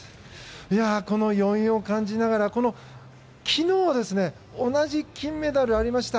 この余韻を感じながら、昨日は同じ金メダルがありました。